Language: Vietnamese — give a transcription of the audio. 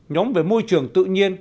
một mươi nhóm về môi trường tự nhiên